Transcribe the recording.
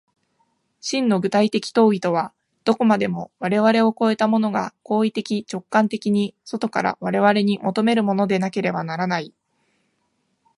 真の具体的当為とは、どこまでも我々を越えたものが行為的直観的に外から我々に求めるものでなければならない。